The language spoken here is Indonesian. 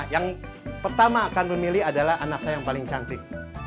yang pertama akan memilih adalah anak saya yang paling cantik